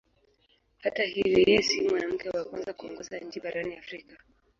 Hata hivyo yeye sio mwanamke wa kwanza kuongoza nchi barani Afrika.